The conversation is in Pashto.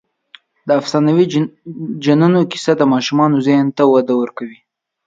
د افسانوي جنونو کیسه د ماشومانو ذهن ته وده ورکوي.